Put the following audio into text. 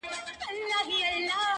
او ظرافت سره طبیعت او ژوند